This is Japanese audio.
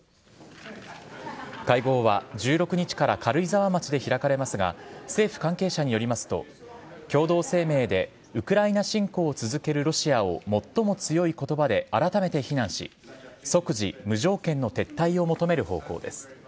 会合は１６日から軽井沢町で開かれますが政府関係者によりますと共同声明でウクライナ侵攻を続けるロシアを最も強い言葉であらためて非難し即時・無条件の撤退を求める方向です。